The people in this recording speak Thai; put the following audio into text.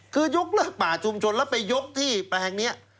คือยกเลิกป่าชุมชนแล้วไปยกที่แปลงนี้